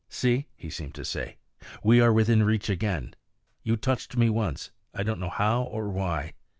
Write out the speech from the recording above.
"See," he seemed to say, "we are within reach again. You touched me once; I don't know how or why.